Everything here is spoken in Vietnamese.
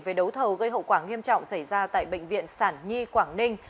về đấu thầu gây hậu quả nghiêm trọng xảy ra tại bệnh viện sản nhi quảng ninh